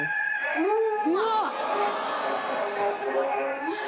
うわっ！！